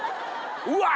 うわ！